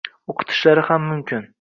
O`qitishlari ham mumkin